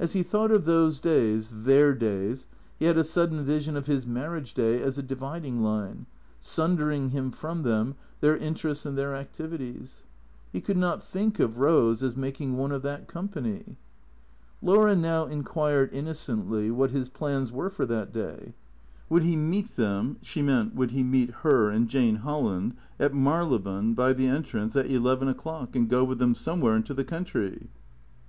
As he thought of those days, their days, he had a sud den vision of his marriage day as a dividing line, sundering him from them, their interests and their activities. He could not think of Eose as making one of that company. Laura now inquired innocently what his plans were for that day. Would he meet them (she meant, would he meet her and Jane Holland) at Marylebone, by the entrance, at eleven o'clock, and go with them somewhere into the country ?